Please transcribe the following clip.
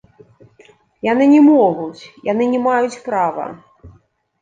Яны не могуць, яны не маюць права.